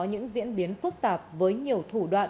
những diễn biến phức tạp với nhiều thủ đoạn